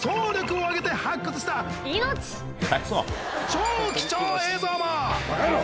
超貴重映像も。